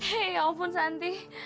hei ya ampun santi